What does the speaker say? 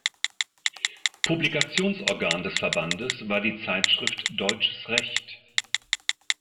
Publikationsorgan des Verbandes war die Zeitschrift "Deutsches Recht".